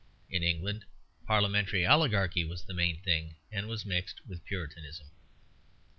In England Parliamentary oligarchy was the main thing, and was mixed with Puritanism.